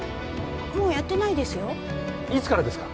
もうやってないですよいつからですか？